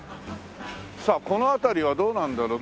さあこの辺りはどうなんだろう？